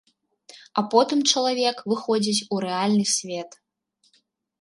А потым чалавек выходзіць у рэальны свет.